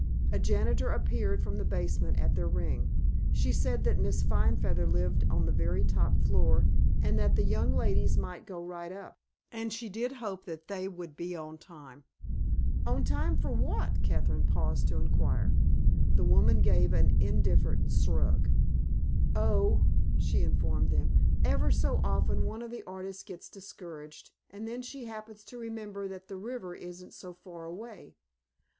A janitor appeared from the basement at their ring. She said that Miss Finefeather lived on the very top floor and that the young ladies might go right up, and she did hope that they would be on time. "On time for what?" Kathryn paused to inquire. The woman gave an indifferent shrug. "Oh," she informed them, "ever so often one of the artists gets discouraged, and then she happens to remember that the river isn't so very far away.